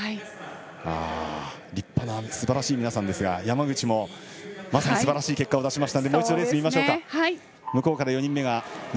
立派なすばらしい皆さんですが山口もまさにすばらしい結果を出しましたのでもう一度、レースを見ましょう。